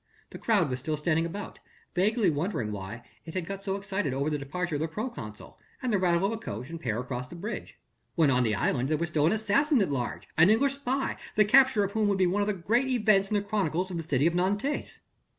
The crowd was still standing about, vaguely wondering why it had got so excited over the departure of the proconsul and the rattle of a coach and pair across the bridge, when on the island there was still an assassin at large an English spy, the capture of whom would be one of the great events in the chronicles of the city of Nantes.